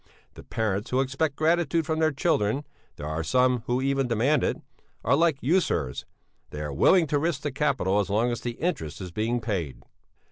The parents who expect gratitude from their children (there are some who even demand it) are like usurers; they are willing to risk the capital as long as the interest is being paid."'"